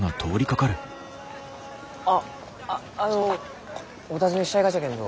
ああのお尋ねしたいがじゃけんど。